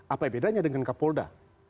apa bedanya dengan kapolda